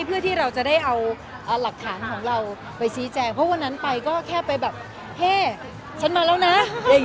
เพื่อที่เราจะได้เอาหลักฐานของเราไปชี้แจงเพราะวันนั้นไปก็แค่ไปแบบเฮ่ฉันมาแล้วนะ